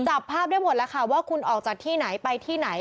จับภาพได้หมดแล้วค่ะว่าคุณออกจากที่ไหนไปที่ไหน